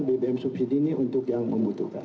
bbm subsidi ini untuk yang membutuhkan